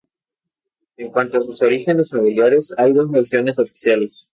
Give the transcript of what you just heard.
En cuanto sus orígenes familiares, hay dos versiones oficiales.